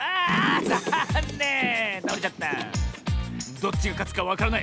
どっちがかつかわからない。